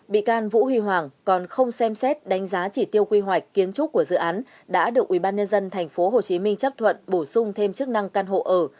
bị can vũ huy hoàng còn không xem xét đánh giá chỉ tiêu quy hoạch kiến trúc của dự án đã được ubnd tp hcm chấp thuận bổ sung thêm chức năng căn hộ ở